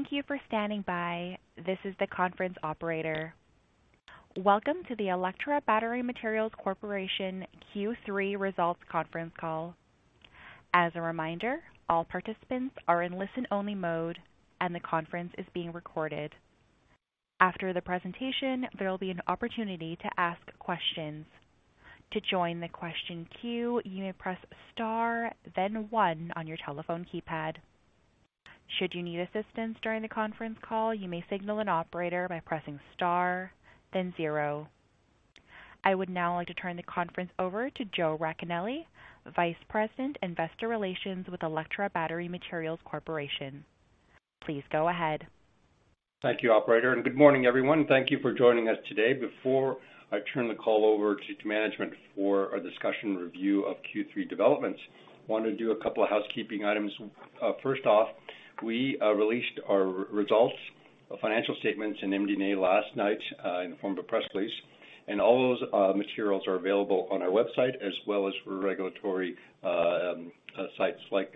Thank you for standing by. This is the conference operator. Welcome to the Electra Battery Materials Corporation Q3 results conference call. As a reminder, all participants are in listen-only mode, and the conference is being recorded. After the presentation, there will be an opportunity to ask questions. To join the question queue, you may press star then one on your telephone keypad. Should you need assistance during the conference call, you may signal an operator by pressing star then zero. I would now like to turn the conference over to Joe Racanelli, Vice President, Investor Relations with Electra Battery Materials Corporation. Please go ahead. Thank you, Operator, and good morning, everyone. Thank you for joining us today. Before I turn the call over to management for our discussion review of Q3 developments, want to do a couple of housekeeping items. First off, we released our results, our financial statements in MD&A last night, in the form of a press release, and all those materials are available on our website as well as on regulatory sites like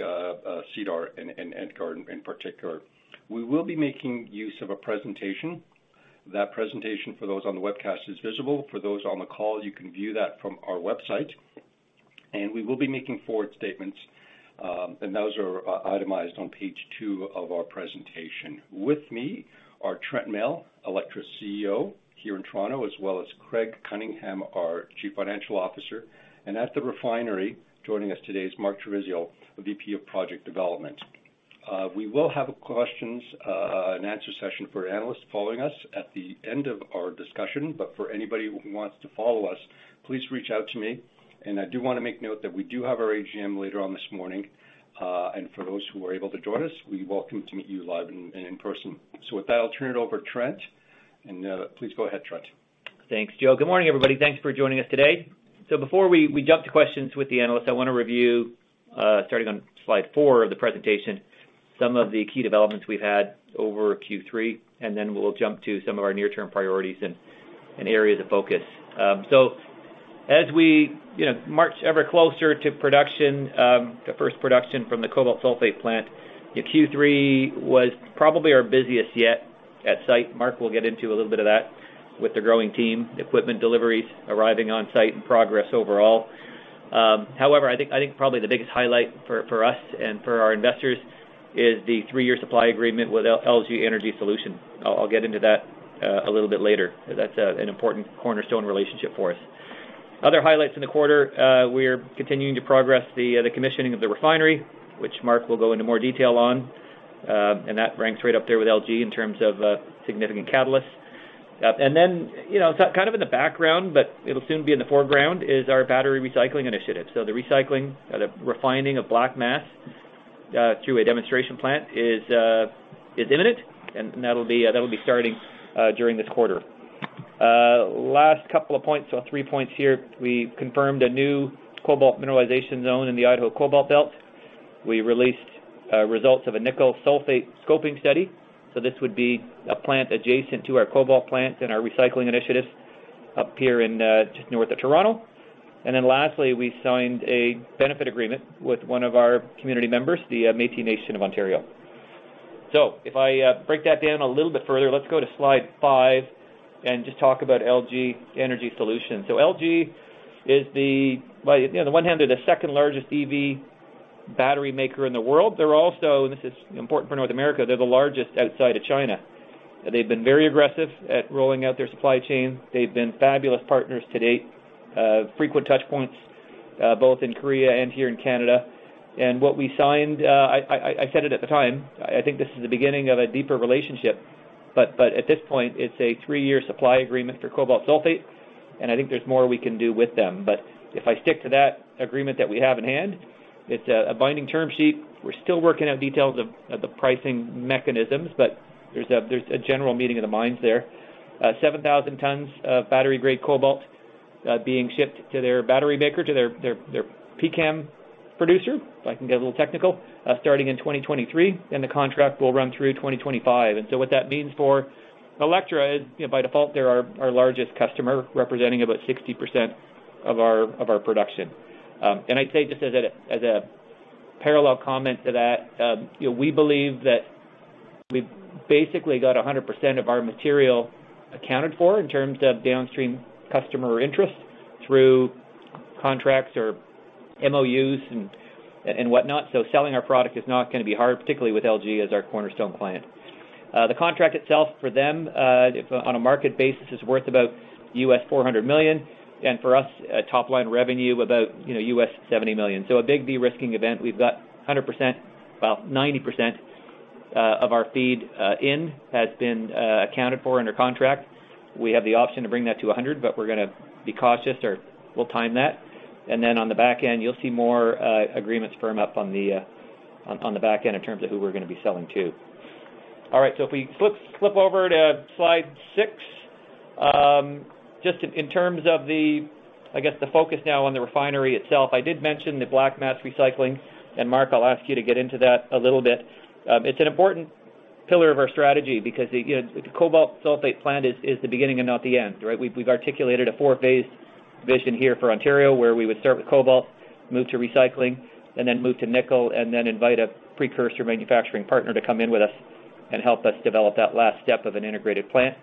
SEDAR and EDGAR in particular. We will be making use of a presentation. That presentation for those on the webcast is visible. For those on the call, you can view that from our website. We will be making forward-looking statements, and those are itemized on page two of our presentation. With me are Trent Mell, Electra's CEO here in Toronto, as well as Craig Cunningham, our Chief Financial Officer, and at the refinery, joining us today is Mark Trevisiol, the VP of Project Development. We will have a Q&A session for analysts following us at the end of our discussion. For anybody who wants to follow us, please reach out to me. I do wanna make note that we do have our AGM later on this morning. For those who are able to join us, we welcome to meet you live and in person. With that, I'll turn it over to Trent, and please go ahead, Trent. Thanks, Joe. Good morning, everybody. Thanks for joining us today. Before we jump to questions with the analysts, I wanna review starting on slide four of the presentation some of the key developments we've had over Q3, and then we'll jump to some of our near-term priorities and areas of focus. As we you know march ever closer to production, the first production from the cobalt sulfate plant, Q3 was probably our busiest yet at site. Mark will get into a little bit of that with the growing team, equipment deliveries arriving on site and progress overall. However, I think probably the biggest highlight for us and for our investors is the three-year supply agreement with LG Energy Solution. I'll get into that a little bit later. That's an important cornerstone relationship for us. Other highlights in the quarter, we're continuing to progress the commissioning of the refinery, which Mark will go into more detail on, and that ranks right up there with LG in terms of significant catalysts. You know, kind of in the background, but it'll soon be in the foreground, is our battery recycling initiative. The recycling, the refining of black mass through a demonstration plant is imminent, and that'll be starting during this quarter. Last couple of points or three points here, we confirmed a new cobalt mineralization zone in the Idaho Cobalt Belt. We released results of a nickel sulfate scoping study, so this would be a plant adjacent to our cobalt plant and our recycling initiatives up here in just north of Toronto. Then lastly, we signed a benefit agreement with one of our community members, the Métis Nation of Ontario. If I break that down a little bit further, let's go to slide five and just talk about LG Energy Solution. LG is the... Well, you know, on the one hand, they're the second-largest EV battery maker in the world. They're also, this is important for North America, they're the largest outside of China. They've been very aggressive at rolling out their supply chain. They've been fabulous partners to date, frequent touch points, both in Korea and here in Canada. What we signed, I said it at the time, I think this is the beginning of a deeper relationship, but at this point, it's a three-year supply agreement for cobalt sulfate, and I think there's more we can do with them. If I stick to that agreement that we have in hand, it's a binding term sheet. We're still working out details of the pricing mechanisms, but there's a general meeting of the minds there. 7,000 tons of battery-grade cobalt being shipped to their battery maker, to their PCAM producer, if I can get a little technical, starting in 2023, and the contract will run through 2025. What that means for Electra is, you know, by default, they're our largest customer, representing about 60% of our production. I'd say just as a parallel comment to that, you know, we believe that we've basically got 100% of our material accounted for in terms of downstream customer interest through contracts or MOUs and whatnot. Selling our product is not gonna be hard, particularly with LG as our cornerstone client. The contract itself for them, if on a market basis, is worth about $400 million, and for us, a top-line revenue, about $70 million. A big de-risking event. We've got 100%, well, 90% of our feed has been accounted for under contract. We have the option to bring that to a hundred, but we're gonna be cautious or we'll time that. Then on the back end, you'll see more agreements firm up on the back end in terms of who we're gonna be selling to. All right. If we flip over to slide six, just in terms of, I guess, the focus now on the refinery itself, I did mention the Black Mass Recycling, and Mark, I'll ask you to get into that a little bit. It's an important pillar of our strategy because, you know, the cobalt sulfate plant is the beginning and not the end, right? We've articulated a four-phased vision here for Ontario, where we would start with cobalt, move to recycling, and then move to nickel, and then invite a precursor manufacturing partner to come in with us and help us develop that last step of an integrated plant.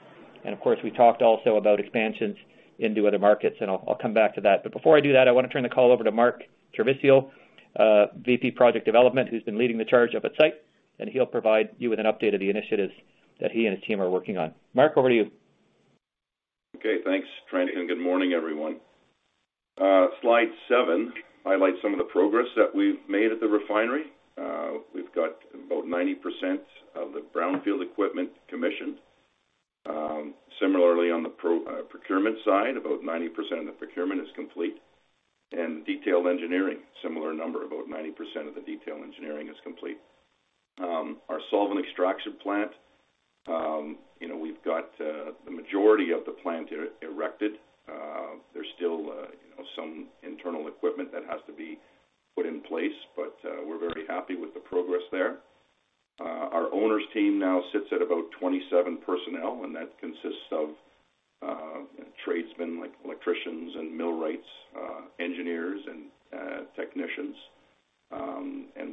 Of course, we talked also about expansions into other markets, and I'll come back to that. Before I do that, I wanna turn the call over to Mark Trevisiol, VP Project Development, who's been leading the charge of that site, and he'll provide you with an update of the initiatives that he and his team are working on. Mark, over to you. Okay. Thanks, Trent, and good morning, everyone. Slide seven highlights some of the progress that we've made at the refinery. We've got about 90% of the brownfield equipment commissioned. Similarly on the procurement side, about 90% of the procurement is complete. The detailed engineering, similar number, about 90% of the detailed engineering is complete. Our solvent extraction plant, you know, we've got the majority of the plant erected. There's still, you know, some internal equipment that has to be put in place, but we're very happy with the progress there. Our owners team now sits at about 27 personnel, and that consists of tradesmen like electricians and millwrights, engineers and technicians.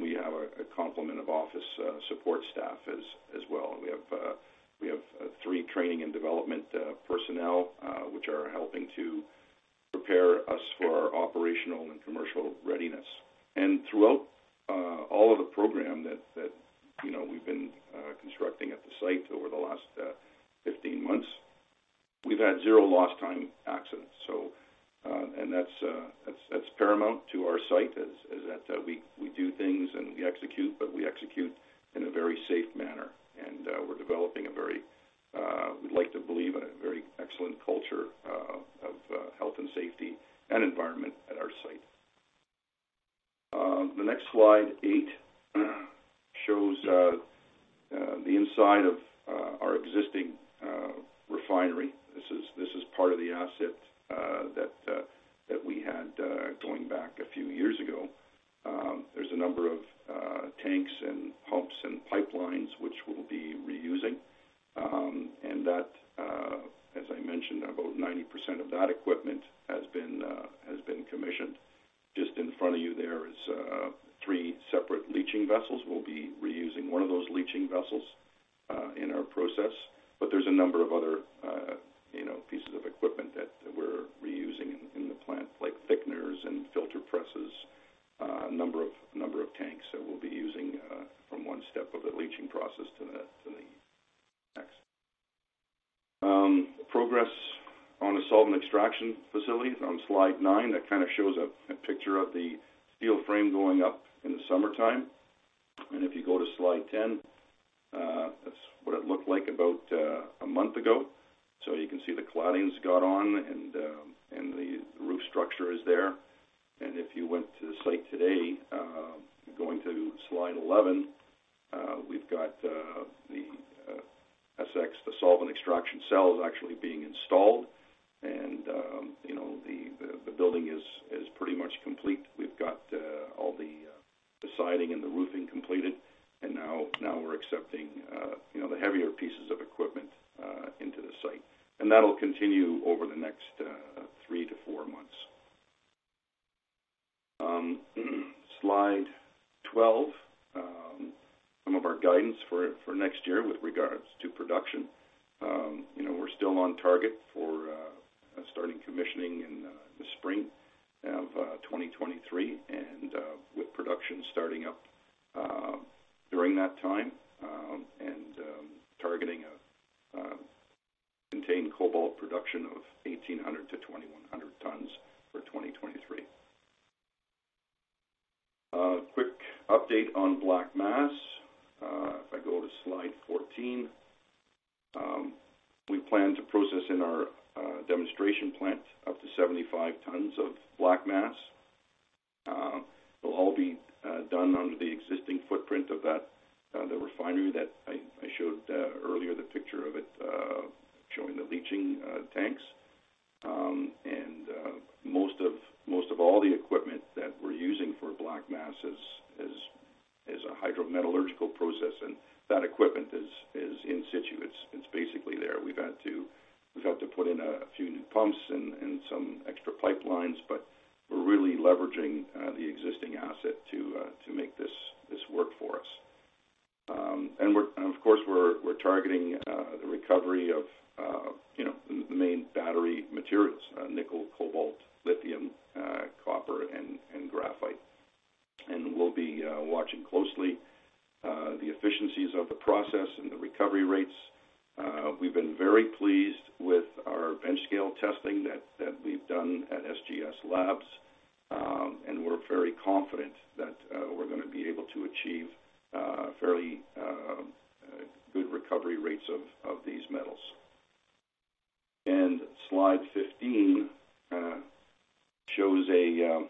We have a complement of office support staff as well. We have three training and development personnel which are helping to prepare us for our operational and commercial readiness. Throughout all of the program that you know we've been constructing at the site over the last 15 months, we've had zero lost time accidents. That's paramount to our site is that we do things and we execute, but we execute in a very safe manner. We're developing a very we'd like to believe a very excellent culture of health and safety and environment at our site. The next slide eight shows the inside of our existing refinery. This is part of the asset that we had going back a few years ago. There's a number of tanks and pumps and pipelines which we'll be reusing. That, as I mentioned, about 90% of that equipment has been commissioned. Just in front of you there is three separate leaching vessels. We'll be reusing one of those leaching vessels in our process. There's a number of other, you know, pieces of equipment that we're reusing in the plant, like thickeners and filter presses, a number of tanks that we'll be using from one step of the leaching process to the next. Progress on the solvent extraction facility is on slide nine. That kind of shows a picture of the steel frame going up in the summertime. If you go to slide 10, that's what it looked like about a month ago. You can see the claddings got on, and the roof structure is there. If you went to the site today, going to slide 11, we've got the SX, the solvent extraction cell is actually being installed. You know, the building is pretty much complete. We've got all the siding and the roofing completed, and now we're accepting, you know, the heavier pieces of equipment into the site. That'll continue over the next three to four months. Slide 12, some of our guidance for next year with regards to production. You know, we're still on target for starting commissioning in the spring of 2023, and with production starting up during that time, and targeting a contained cobalt production of 1,800-2,100 tons for 2023. A quick update on Black Mass, if I go to slide 14. We plan to process in our demonstration plant up to 75 tons of black mass. It'll all be done under the existing footprint of that refinery that I showed earlier, the picture of it showing the leaching tanks. Most of all the equipment that we're using for black mass is a hydrometallurgical process, and that equipment is in situ. It's basically there. We've had to put in a few new pumps and some extra pipelines, but we're really leveraging the existing asset to make this work for us. Of course, we're targeting the recovery of, you know, the main battery materials, nickel, cobalt, lithium, copper, and graphite. We'll be watching closely the efficiencies of the process and the recovery rates. We've been very pleased with our bench-scale testing that we've done at SGS Labs. We're very confident that we're gonna be able to achieve fairly good recovery rates of these metals. Slide 15 shows a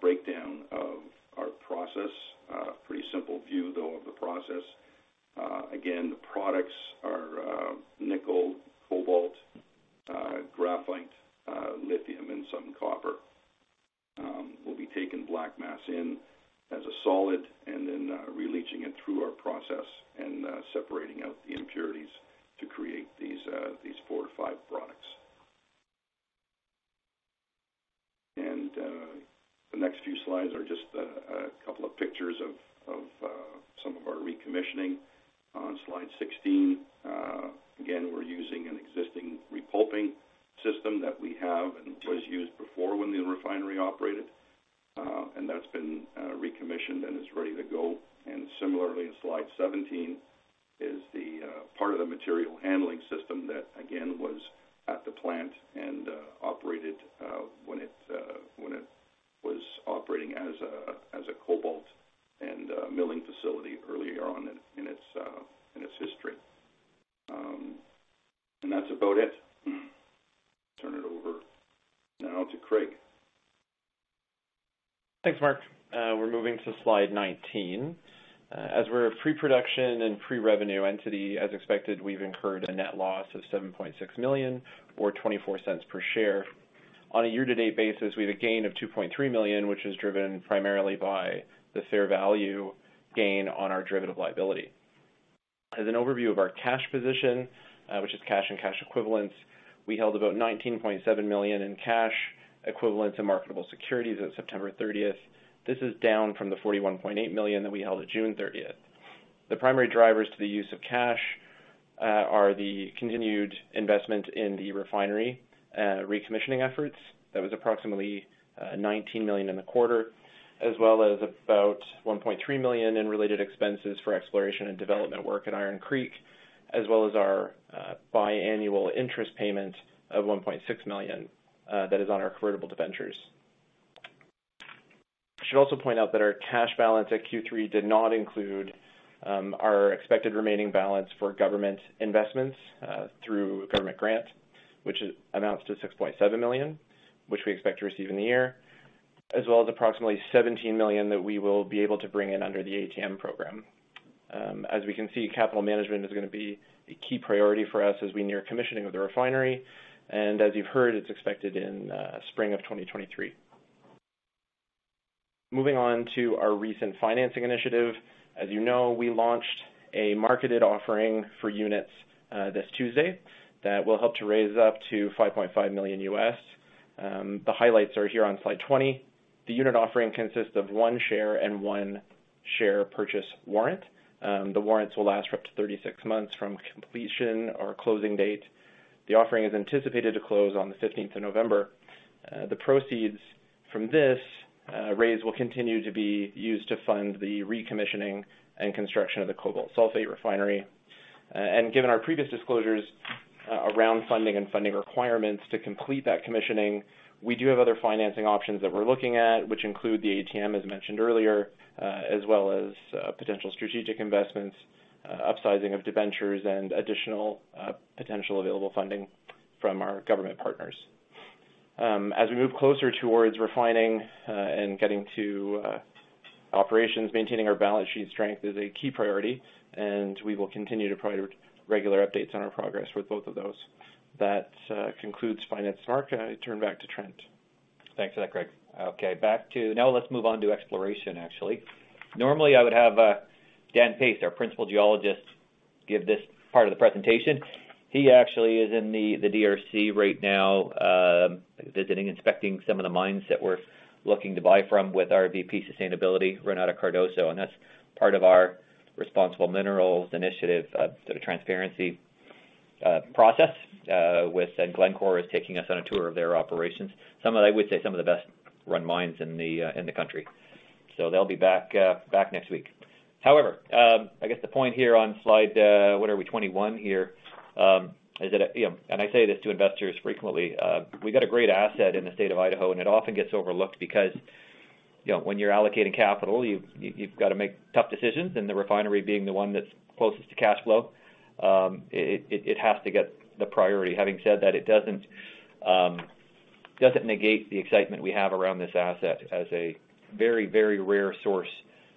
breakdown of our process. Pretty simple view though of the process. Again, the products are nickel, cobalt, graphite, lithium, and some copper. We'll be taking black mass in as a solid and then releaching it through our process and separating out the impurities to create these four to five products. The next few slides are just a couple of pictures of some of our recommissioning. On slide 16, again, we're using an existing repulping system that we have and was used before when the refinery operated. That's been recommissioned and is ready to go. Similarly, in slide 17 is the part of the material handling system that, again, was at the plant and operated when it was operating as a cobalt and a milling facility early on in its history. That's about it. Turn it over now to Craig. Thanks, Mark. We're moving to slide 19. As we're a pre-production and pre-revenue entity, as expected, we've incurred a net loss of CAD 7.6 million or CAD 0.24 per share. On a year-to-date basis, we have a gain of 2.3 million, which is driven primarily by the fair value gain on our derivative liability. As an overview of our cash position, which is cash and cash equivalents, we held about 19.7 million in cash equivalents and marketable securities at September 30th. This is down from the 41.8 million that we held at June 30th. The primary drivers to the use of cash are the continued investment in the refinery recommissioning efforts. That was approximately 19 million in the quarter, as well as about 1.3 million in related expenses for exploration and development work at Iron Creek, as well as our biannual interest payment of 1.6 million that is on our convertible debentures. I should also point out that our cash balance at Q3 did not include our expected remaining balance for government investments through government grants, which amounts to 6.7 million, which we expect to receive in the year, as well as approximately 17 million that we will be able to bring in under the ATM program. As we can see, capital management is gonna be a key priority for us as we near commissioning of the refinery. As you've heard, it's expected in spring of 2023. Moving on to our recent financing initiative. As you know, we launched a marketed offering for units this Tuesday that will help to raise up to $5.5 million. The highlights are here on slide 20. The unit offering consists of one share and one share purchase warrant. The warrants will last for up to 36 months from completion or closing date. The offering is anticipated to close on the 15th of November. The proceeds from this raise will continue to be used to fund the recommissioning and construction of the cobalt sulfate refinery. Given our previous disclosures around funding and funding requirements to complete that commissioning, we do have other financing options that we're looking at, which include the ATM, as mentioned earlier, as well as potential strategic investments, upsizing of debentures, and additional potential available funding from our government partners. As we move closer toward refining and getting to operations, maintaining our balance sheet strength is a key priority, and we will continue to provide regular updates on our progress with both of those. That concludes finance. Mark, I turn back to Trent. Thanks for that, Craig. Okay, now let's move on to exploration, actually. Normally, I would have Dan Pace, our Principal Geologist, give this part of the presentation. He actually is in the DRC right now, visiting, inspecting some of the mines that we're looking to buy from with our VP Sustainability, Renata Cardoso, and that's part of our Responsible Minerals Initiative, sort of transparency process. Glencore is taking us on a tour of their operations. Some of the best run mines in the country, I would say. They'll be back next week. However, I guess the point here on slide 21 is that, you know, and I say this to investors frequently, we got a great asset in the State of Idaho, and it often gets overlooked because, you know, when you're allocating capital, you've got to make tough decisions, and the refinery being the one that's closest to cash flow, it has to get the priority. Having said that, it doesn't negate the excitement we have around this asset as a very, very rare source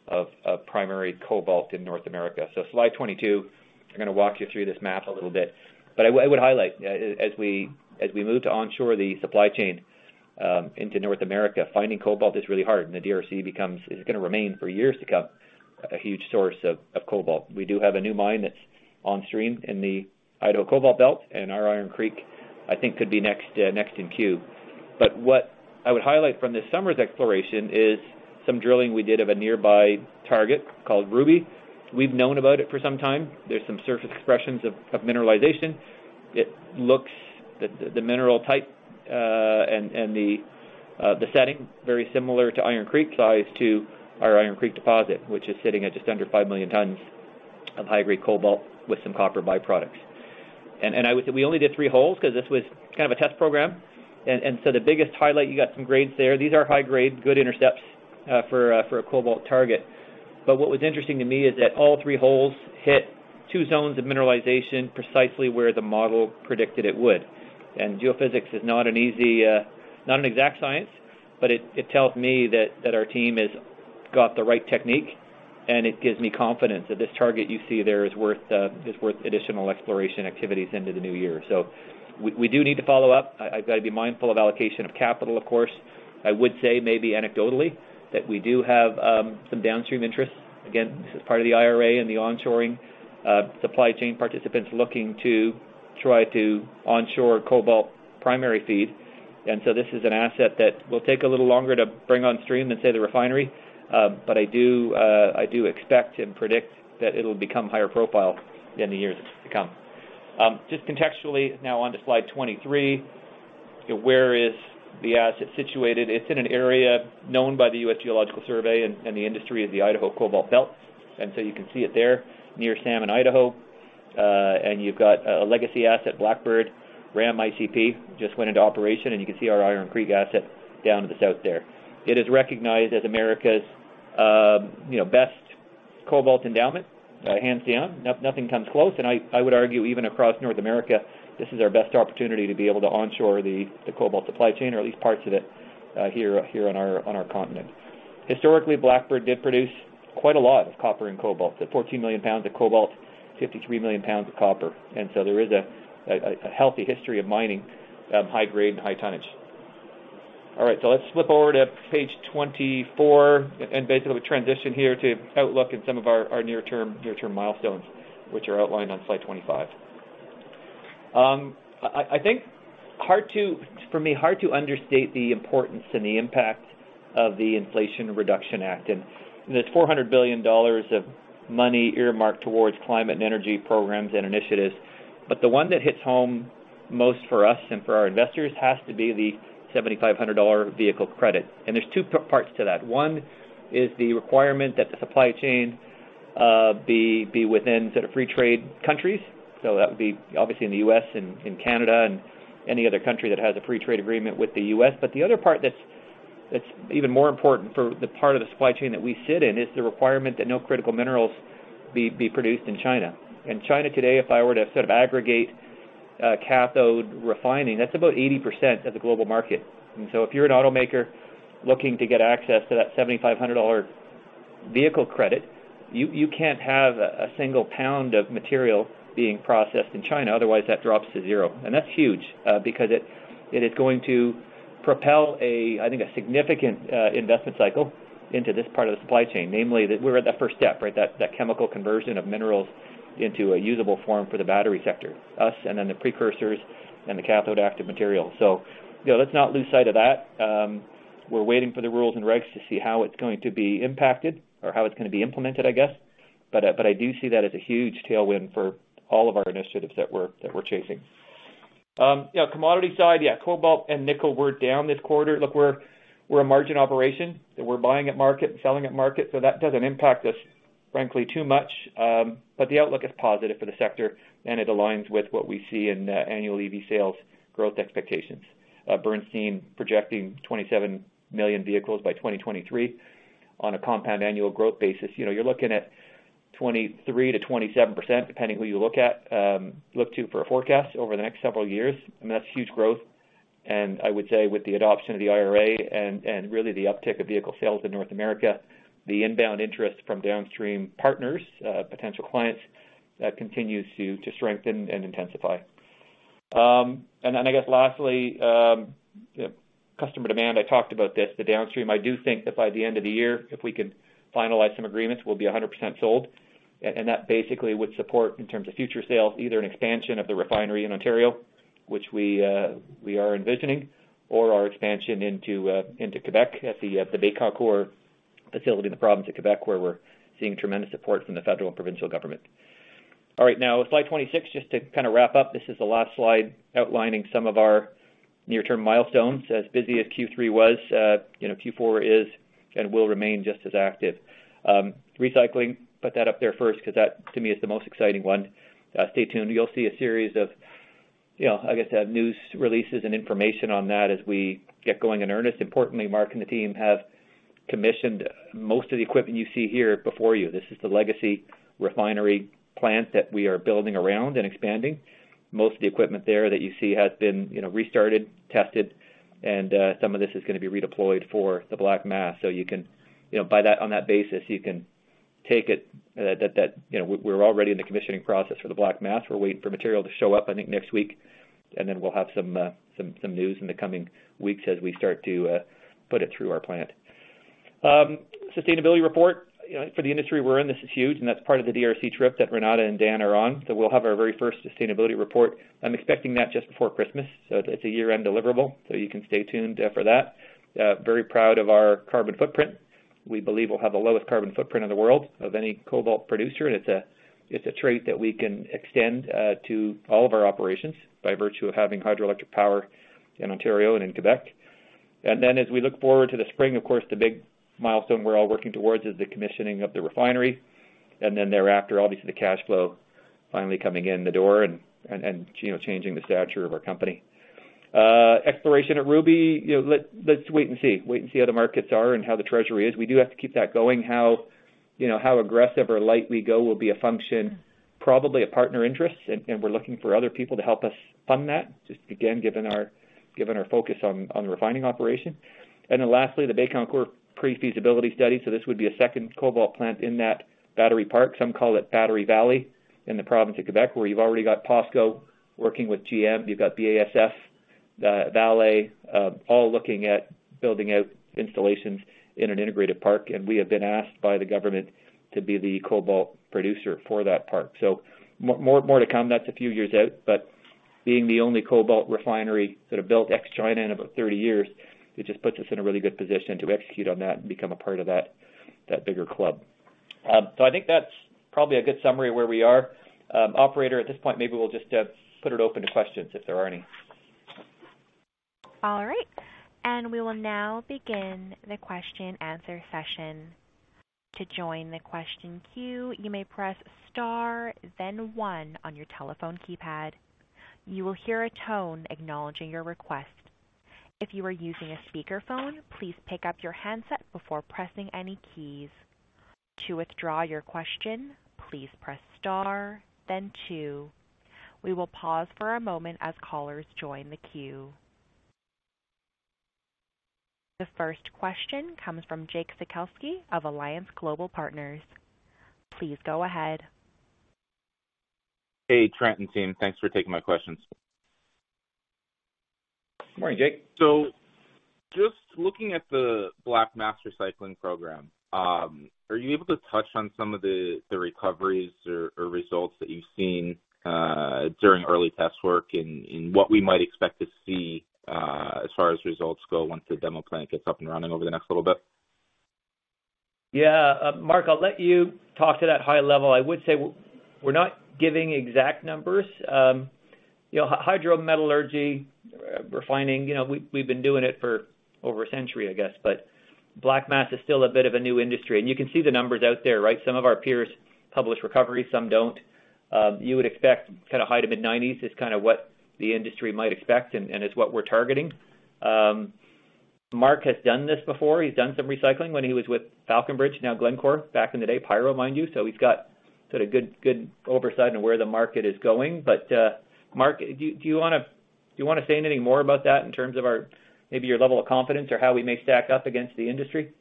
of primary cobalt in North America. Slide 22, I'm gonna walk you through this map a little bit. I would highlight, as we move to onshore the supply chain into North America, finding cobalt is really hard, and the DRC is gonna remain for years to come, a huge source of cobalt. We do have a new mine that's onstream in the Idaho Cobalt Belt, and our Iron Creek, I think, could be next in queue. What I would highlight from this summer's exploration is some drilling we did of a nearby target called Ruby. We've known about it for some time. There's some surface expressions of mineralization. It looks the mineral type and the setting very similar to Iron Creek, in size to our Iron Creek deposit, which is sitting at just under 5 million tons of high-grade cobalt with some copper byproducts. I would say, we only did three holes 'cause this was kind of a test program. The biggest highlight, you got some grades there. These are high grade, good intercepts, for a cobalt target. What was interesting to me is that all three holes hit two zones of mineralization precisely where the model predicted it would. Geophysics is not an easy, not an exact science, but it tells me that our team has got the right technique. It gives me confidence that this target you see there is worth additional exploration activities into the new year. We do need to follow up. I've got to be mindful of allocation of capital, of course. I would say maybe anecdotally that we do have some downstream interests. Again, this is part of the IRA and the onshoring, supply chain participants looking to try to onshore cobalt primary feed. This is an asset that will take a little longer to bring on stream than, say, the refinery. But I do expect and predict that it'll become higher profile in the years to come. Just contextually now onto slide 23, where is the asset situated? It's in an area known by the U.S. Geological Survey and the industry of the Idaho Cobalt Belt. You can see it there near Salmon, Idaho. You've got a legacy asset, Blackbird, Ram ICP, just went into operation, and you can see our Iron Creek asset down to the south there. It is recognized as America's, you know, best cobalt endowment, hands down. Nothing comes close. I would argue even across North America, this is our best opportunity to be able to onshore the cobalt supply chain or at least parts of it, here on our continent. Historically, Blackbird did produce quite a lot of copper and cobalt, the 14 million pounds of cobalt, 53 million pounds of copper. There is a healthy history of mining high grade and high tonnage. All right, let's flip over to page 24 and basically transition here to outlook and some of our near-term milestones, which are outlined on slide 25. For me, hard to understate the importance and the impact of the Inflation Reduction Act. There's $400 billion of money earmarked towards climate and energy programs and initiatives. The one that hits home most for us and for our investors has to be the $7,500 vehicle credit. There's two parts to that. One is the requirement that the supply chain be within sort of free trade countries. That would be obviously in the U.S. and in Canada and any other country that has a free trade agreement with the U.S. The other part that's even more important for the part of the supply chain that we sit in is the requirement that no critical minerals be produced in China. China today, if I were to sort of aggregate cathode refining, that's about 80% of the global market. If you're an automaker looking to get access to that $7,500 vehicle credit, you can't have a single pound of material being processed in China. Otherwise, that drops to zero. That's huge, because it is going to propel, I think, a significant investment cycle into this part of the supply chain. Namely, that we're at that first step, right? That chemical conversion of minerals into a usable form for the battery sector use, and then the precursors and the cathode active material. You know, let's not lose sight of that. We're waiting for the rules and regs to see how it's going to be impacted or how it's gonna be implemented, I guess. I do see that as a huge tailwind for all of our initiatives that we're chasing. You know, commodity side, yeah, cobalt and nickel were down this quarter. Look, we're a margin operation, that we're buying at market and selling at market. So that doesn't impact us, frankly, too much. But the outlook is positive for the sector, and it aligns with what we see in annual EV sales growth expectations. Bernstein projecting 27 million vehicles by 2023 on a compound annual growth basis. You know, you're looking at 23%-27%, depending who you look at, look to for a forecast over the next several years, and that's huge growth. I would say with the adoption of the IRA and really the uptick of vehicle sales in North America, the inbound interest from downstream partners, potential clients, continues to strengthen and intensify. I guess lastly, you know, customer demand, I talked about this, the downstream. I do think that by the end of the year, if we can finalize some agreements, we'll be 100% sold. That basically would support in terms of future sales, either an expansion of the refinery in Ontario, which we are envisioning, or our expansion into Quebec at the Baie-Comeau facility in the Province of Quebec, where we're seeing tremendous support from the federal and provincial government. All right, now slide 26, just to kind of wrap up. This is the last slide outlining some of our near-term milestones. As busy as Q3 was, you know, Q4 is and will remain just as active. Recycling, put that up there first because that, to me, is the most exciting one. Stay tuned. You'll see a series of, you know, I guess, news releases and information on that as we get going in earnest. Importantly, Mark and the team have commissioned most of the equipment you see here before you. This is the legacy refinery plant that we are building around and expanding. Most of the equipment there that you see has been, you know, restarted, tested, and some of this is gonna be redeployed for the black mass. You can, you know, by that, on that basis, you can take it that, you know, we're already in the commissioning process for the black mass. We're waiting for material to show up, I think, next week, and then we'll have some news in the coming weeks as we start to put it through our plant. Sustainability report. You know, for the industry we're in, this is huge, and that's part of the DRC trip that Renata and Dan are on. We'll have our very first sustainability report. I'm expecting that just before Christmas, so it's a year-end deliverable, so you can stay tuned for that. Very proud of our carbon footprint. We believe we'll have the lowest carbon footprint in the world of any cobalt producer, and it's a trait that we can extend to all of our operations by virtue of having hydroelectric power in Ontario and in Quebec. Then as we look forward to the spring, of course, the big milestone we're all working towards is the commissioning of the refinery. Then thereafter, obviously, the cash flow finally coming in the door and, you know, changing the stature of our company. Exploration at Ruby, you know, let's wait and see. Wait and see how the markets are and how the treasury is. We do have to keep that going. You know, how aggressive or light we go will be a function probably of partner interest, and we're looking for other people to help us fund that. Just again, given our focus on the refining operation. Lastly, the Bécancour pre-feasibility study. This would be a second cobalt plant in that battery park, some call it Battery Valley in the Province of Quebec, where you've already got POSCO working with GM. You've got BASF, Vale, all looking at building out installations in an integrated park. We have been asked by the government to be the cobalt producer for that park. More to come. That's a few years out, but being the only cobalt refinery that are built ex-China in about 30 years, it just puts us in a really good position to execute on that and become a part of that bigger club. I think that's probably a good summary of where we are. Operator, at this point, maybe we'll just put it open to questions if there are any. All right. We will now begin the question-answer session. To join the question queue, you may press star then one on your telephone keypad. You will hear a tone acknowledging your request. If you are using a speakerphone, please pick up your handset before pressing any keys. To withdraw your question, please press star then two. We will pause for a moment as callers join the queue. The first question comes from Jake Sekelsky of Alliance Global Partners. Please go ahead. Hey, Trent and team. Thanks for taking my questions. Good morning, Jake. Just looking at the Black Mass Recycling program, are you able to touch on some of the recoveries or results that you've seen during early test work and what we might expect to see as far as results go once the demo plant gets up and running over the next little bit? Yeah. Mark, I'll let you talk to that high level. I would say we're not giving exact numbers. You know, hydrometallurgy refining, you know, we've been doing it for over a century, I guess. Black Mass is still a bit of a new industry, and you can see the numbers out there, right? Some of our peers publish recovery, some don't. You would expect kind of high to mid-90s is kind of what the industry might expect and is what we're targeting. Mark has done this before. He's done some recycling when he was with Falconbridge, now Glencore, back in the day, pyro, mind you. He's got sort of good oversight on where the market is going. Mark, do you wanna say anything more about that in terms of our, maybe your level of confidence or how we may stack up against the industry?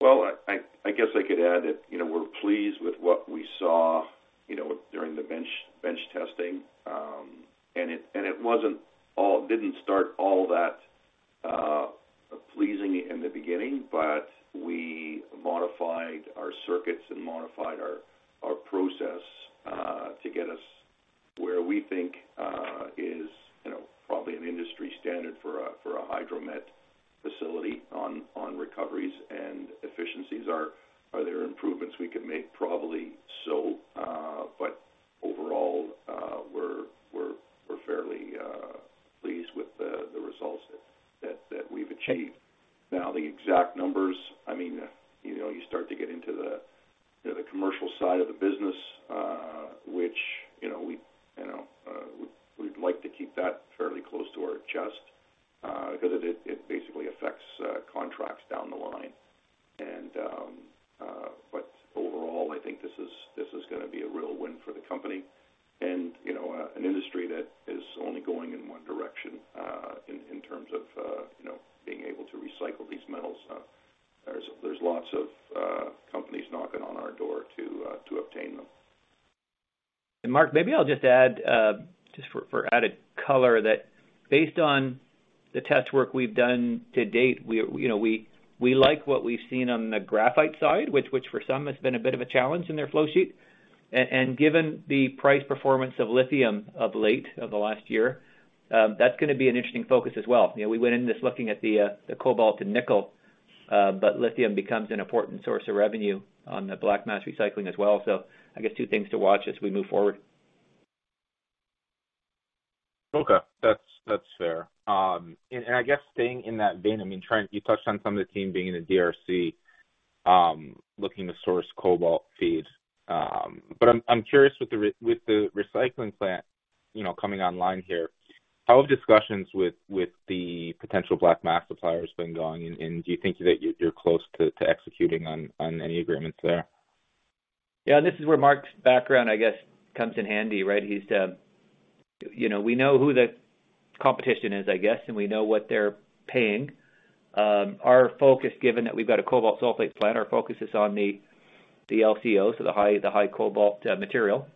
Well, I guess I could add that, you know, we're pleased with what we saw, you know, during the bench testing. It didn't start all that pleasing in the beginning, but we modified our circuits and modified our process to get us where we think is, you know, probably an industry standard for a hydromet facility on recoveries and efficiencies. Are there improvements we can make? Probably so. Overall, we're fairly pleased with the results that we've achieved. Now, the exact numbers, but lithium becomes an important source of revenue on the Black Mass Recycling as well. I guess two things to watch as we move forward. Okay. That's fair. I guess staying in that vein, I mean, Trent, you touched on some of the team being in the DRC, looking to source cobalt feed. But I'm curious with the recycling plant, you know, coming online here, how have discussions with the potential black mass suppliers been going? Do you think that you're close to executing on any agreements there? Yeah, this is where Mark's background, I guess, comes in handy, right? He's, you know, we know who the competition is, I guess, and we know what they're paying. Our focus, given that we've got a cobalt sulfate plant, is on the LCO, so the high cobalt material.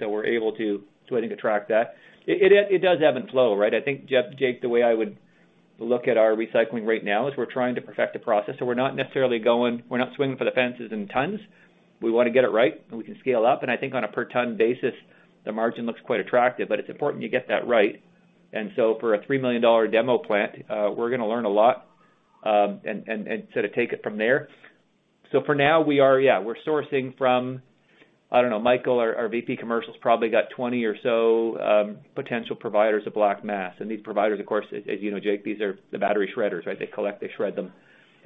We're able to, I think, attract that. It does ebb and flow, right? I think, Jake, the way I would look at our recycling right now is we're trying to perfect the process, so we're not necessarily going, we're not swinging for the fences in tons. We wanna get it right, and we can scale up. I think on a per ton basis, the margin looks quite attractive. It's important you get that right. For a 3 million dollar demo plant, we're gonna learn a lot and sort of take it from there. For now, we are sourcing from, I don't know, Michael, our VP Commercial's probably got 20 or so potential providers of black mass. These providers, of course, as you know, Jake, these are the battery shredders, right? They collect, they shred them,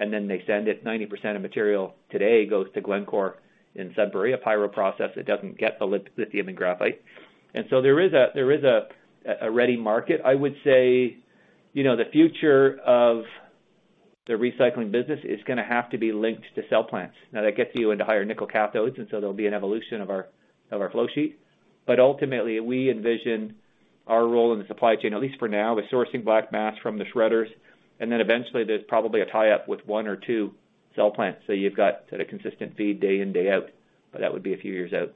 and then they send it. 90% of material today goes to Glencore in Sudbury, a pyro process that doesn't get the lithium and graphite. There is a ready market. I would say, you know, the future of the recycling business is gonna have to be linked to cell plants. That gets you into higher nickel cathodes, and there'll be an evolution of our flow sheet. Ultimately, we envision our role in the supply chain, at least for now, with sourcing black mass from the shredders. Then eventually there's probably a tie-up with one or two cell plants, so you've got sort of consistent feed day in, day out. That would be a few years out.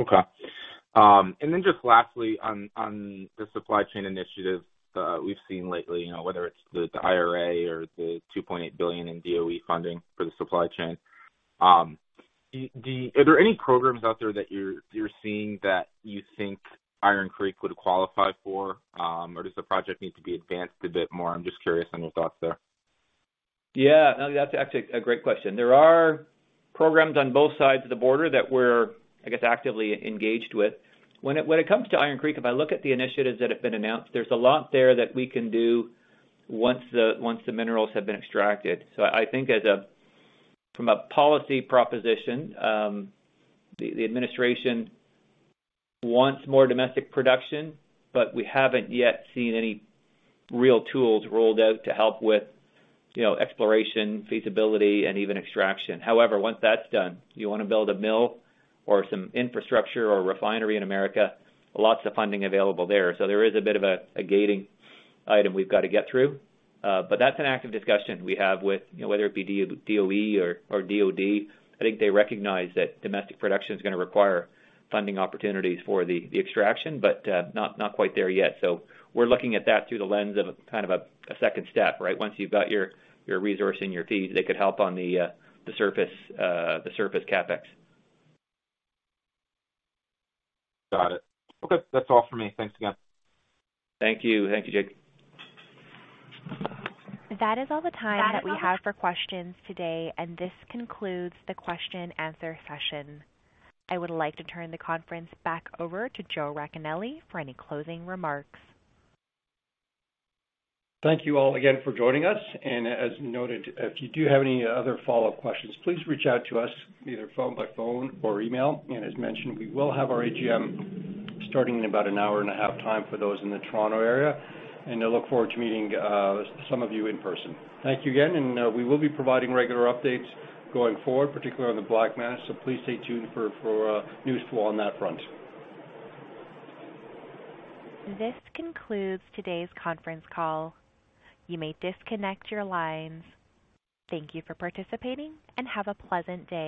Okay. And then just lastly on the supply chain initiatives we've seen lately, you know, whether it's the IRA or the $2.8 billion in DOE funding for the supply chain, are there any programs out there that you're seeing that you think Iron Creek would qualify for? Or does the project need to be advanced a bit more? I'm just curious on your thoughts there. Yeah. No, that's actually a great question. There are programs on both sides of the border that we're, I guess, actively engaged with. When it comes to Iron Creek, if I look at the initiatives that have been announced, there's a lot there that we can do once the minerals have been extracted. I think from a policy proposition, the administration wants more domestic production, but we haven't yet seen any real tools rolled out to help with, you know, exploration, feasibility, and even extraction. However, once that's done, you wanna build a mill or some infrastructure or refinery in America, lots of funding available there. There is a bit of a gating item we've got to get through. But that's an active discussion we have with, you know, whether it be DOE or DOD. I think they recognize that domestic production is gonna require funding opportunities for the extraction, but not quite there yet. We're looking at that through the lens of kind of a second step, right? Once you've got your resource and your feed, they could help on the surface CapEx. Got it. Okay, that's all for me. Thanks again. Thank you. Thank you, Jake. That is all the time that we have for questions today, and this concludes the question-answer session. I would like to turn the conference back over to Joe Racanelli for any closing remarks. Thank you all again for joining us. As noted, if you do have any other follow-up questions, please reach out to us either by phone or email. As mentioned, we will have our AGM starting in about an hour and a half time for those in the Toronto area, and I look forward to meeting some of you in person. Thank you again, and we will be providing regular updates going forward, particularly on the Black Mass, so please stay tuned for news flow on that front. This concludes today's conference call. You may disconnect your lines. Thank you for participating, and have a pleasant day.